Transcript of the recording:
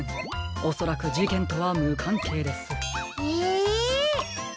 おそらくじけんとはむかんけいです。え。